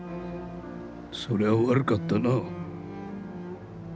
それは悪かったな。